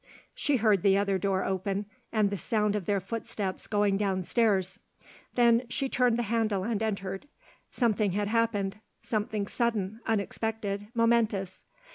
She heard the other door open and the sound of their footsteps going down stairs; then she turned the handle and entered. Something had happened, something sudden, unexpected, momentous.